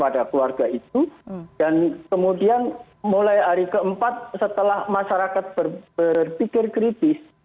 dan kemudian mulai hari keempat setelah masyarakat berpikir kritis